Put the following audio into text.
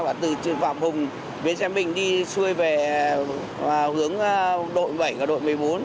và từ phạm hùng bến xe mỹ đình đi xuôi về hướng đội bảy và đội một mươi bốn